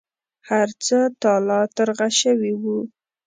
هرڅه تالا ترغه شوي و.